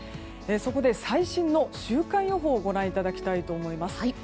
そこで最新の週間予報ご覧いただきたいと思います。